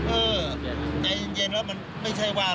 เออใจเย็นแล้วมันไม่ใช่ว่า